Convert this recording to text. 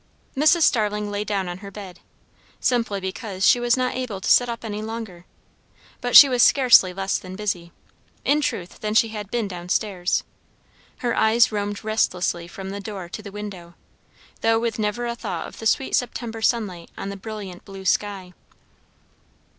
Mrs. Starling lay down on her bed, simply because she was not able to sit up any longer; but she was scarcely less busy, in truth, than she had been down stairs. Her eyes roamed restlessly from the door to the window, though with never a thought of the sweet September sunlight on the brilliant blue sky.